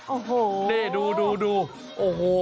โอ้โฮนี่ดูโอ้โฮ